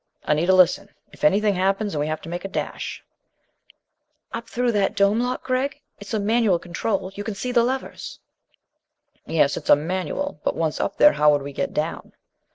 "Anita, listen: if anything happens and we have to make a dash " "Up through that dome lock, Gregg? It's a manual control; you can see the levers." "Yes. It's a manual. But once up there how would we get down?"